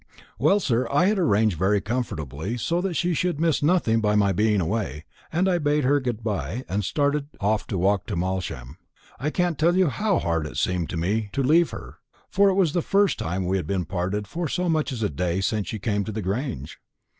Well, sir, I had arranged everything comfortably, so that she should miss nothing by my being away, and I bade her good bye, and started off to walk to Malsham. I can't tell you how hard it seemed to me to leave her, for it was the first time we had been parted for so much as a day since she came to the Grange.